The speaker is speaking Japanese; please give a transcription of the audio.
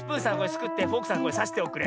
すくってフォークさんさしておくれ。